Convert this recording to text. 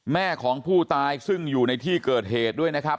แม่ของผู้ตายซึ่งอยู่ในที่เกิดเหตุด้วยนะครับ